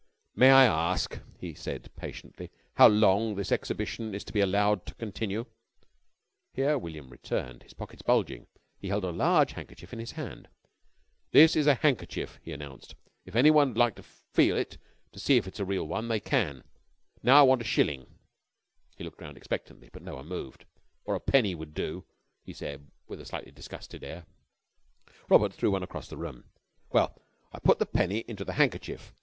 "May I ask," he said patiently, "how long this exhibition is to be allowed to continue?" Here William returned, his pockets bulging. He held a large handkerchief in his hand. "This is a handkerchief," he announced. "If anyone'd like to feel it to see if it's a real one, they can. Now I want a shilling," he looked round expectantly, but no one moved, "or a penny would do," he said, with a slightly disgusted air. Robert threw one across the room. "Well, I put the penny into the handkerchief.